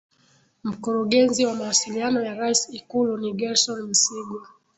Mkurugenzi wa mawasiliano ya Rais Ikulu ni Gerson Msigwa